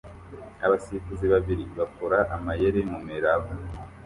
Abasifuzi babiri bakora amayeri mumiraba